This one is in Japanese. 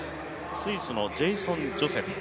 スイスのジェイソン・ジョセフ。